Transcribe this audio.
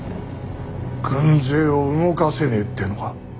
軍勢を動かせねえってのか。